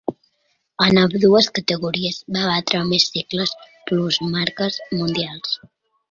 En ambdues categories va batre a més sengles plusmarques mundials.